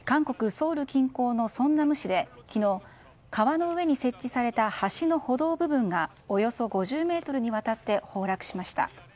ソウル近郊のソンナム市で昨日川の上に設置された橋の歩道部分がおよそ５０ｍにわたって崩落しました。